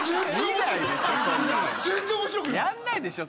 やんないでしょ